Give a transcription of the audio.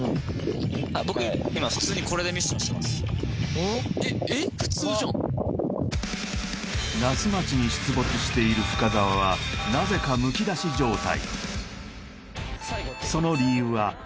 はいはい那須町に出没している深澤はなぜかむき出し状態